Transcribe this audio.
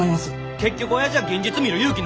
結局おやじは現実見る勇気ないねん。